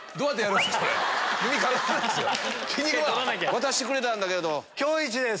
渡してくれたんだけど。